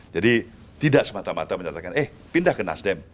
jadi tidak semata mata mencatatkan eh pindah ke nasdem